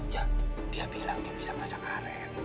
ya dia bilang dia bisa masang aren